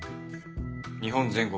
日本全国